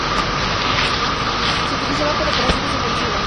Se utilizaba para operaciones ofensivas.